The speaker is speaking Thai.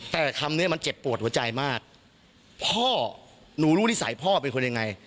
แต่คำนี้มันเจ็บปวดหัวใจมากพ่อหนูรู้นิสัยพ่อเป็นคนยังไง